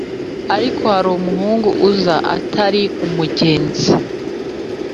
ariko harumuhugu uza atari umugenzi